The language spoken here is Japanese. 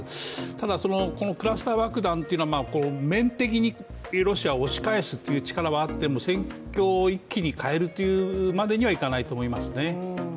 ただ、このクラスター爆弾というのは面的にロシアを押し返す力はあっても戦況を一気に変えるというまでにはいかないと思いますね。